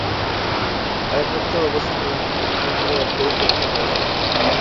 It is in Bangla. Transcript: একত্ব-অবস্থা লাভ কর, তা হলে আর দ্বৈতভাব আসবে না।